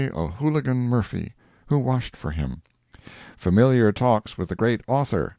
O'Hooligan Murphy, who washed for him. "Familiar Talks with the Great Author."